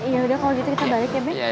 yaudah kalau gitu kita balik ya be